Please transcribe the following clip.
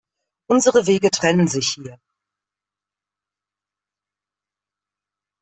Unsere Wege trennen sich hier.